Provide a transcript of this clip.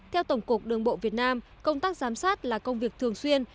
theo tổng cục đường bộ việt nam công tác giám sát là công việc thường xuyên